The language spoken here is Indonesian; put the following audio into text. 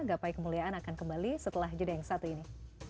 gapai kemuliaan akan kembali setelah jadayang satu ini